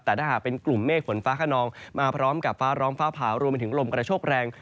แต่ถ้าหากเป็นกลุ่มเมฆฝนฟ้าขนองมาพร้อมกับฟ้าร้องฟ้าผ่ารวมไปถึงลมกระโชคแรง